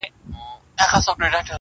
که مو بېل کړمه بیا نه یمه دوستانو!!